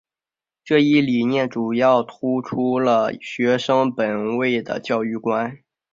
这一理念主要突出了学生本位的教育观。